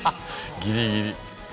ギリギリ。